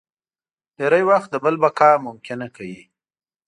ډېری وخت د بل بقا ممکنه کوي.